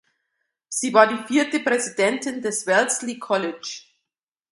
Sie war die vierte Präsidentin des Wellesley College.